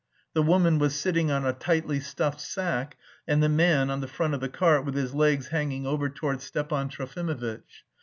The woman was sitting on a tightly stuffed sack and the man on the front of the cart with his legs hanging over towards Stepan Trofimovitch.